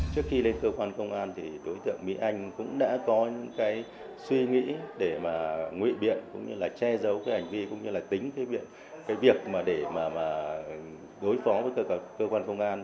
trước khi lên cơ quan công an thì đối tượng mỹ anh cũng đã có những cái suy nghĩ để mà ngụy biện cũng như là che giấu cái hành vi cũng như là tính cái việc mà để mà đối phó với cơ quan công an